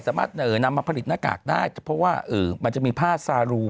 สามารถนำมาผลิตหน้ากากได้เพราะว่ามันจะมีผ้าซารู